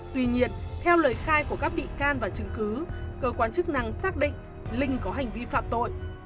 tuy nhiên theo lời khai của các bị can và chứng cứ cơ quan chức năng xác định linh có hành vi phạm tội